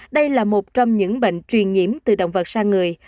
đây là một trong những bệnh truyền nhiễm từ động vật sang người